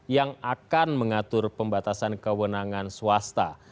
yang akan mengatur pembatasan kewenangan swasta